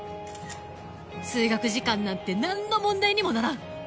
通学時間なんて何の問題にもならん！